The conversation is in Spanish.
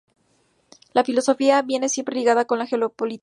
La filosofía viene siempre ligada con la geopolítica.